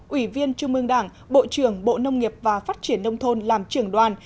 ủy viên trung ương đảng bộ trưởng bộ nông nghiệp và phát triển nông thôn làm trưởng đoàn